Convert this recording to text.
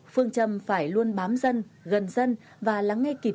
phương trâm phải luôn bám dân gần dân và lắng nghe kỷ niệm